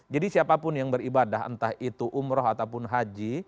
jadi siapapun yang beribadah entah itu umroh ataupun haji